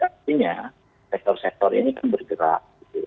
artinya sektor sektor ini kan bergerak gitu